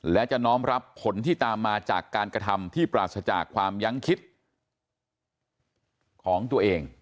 และจะน้อมรับผลที่ตามมาจากการกระทำที่ปราศจากความยั้งคิดของตัวเอง